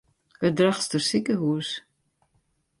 It Drachtster sikehûs.